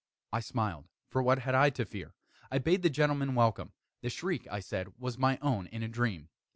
I smiled, for what had I to fear? I bade the gentlemen welcome. The shriek, I said, was my own in a dream.